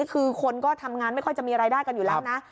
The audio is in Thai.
คือคนก็ทำงานไม่ค่อยจะมีรายได้กันอยู่แล้วนะ